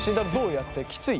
やってきつい？